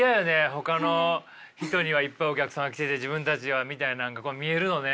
ほかの人にはいっぱいお客さんが来てて自分たちはみたいなんが見えるのね。